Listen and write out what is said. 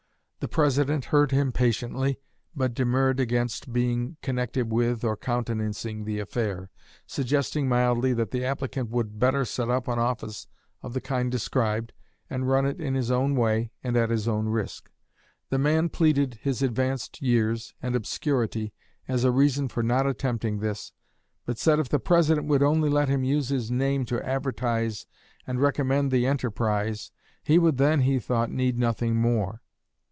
The President heard him patiently, but demurred against being connected with or countenancing the affair, suggesting mildly that the applicant would better set up an office of the kind described, and run it in his own way and at his own risk. The man pleaded his advanced years and obscurity as a reason for not attempting this, but said if the President would only let him use his name to advertise and recommend the enterprise, he would then, he thought, need nothing more.